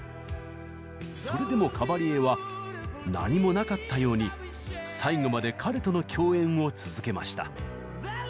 それでもカバリエは何もなかったように最後まで彼との共演を続けました。